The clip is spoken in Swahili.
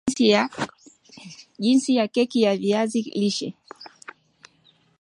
Jinsi ya keki ya viazi lishe